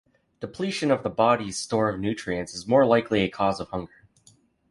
Depletion of the body's store of nutrients is a more likely cause of hunger.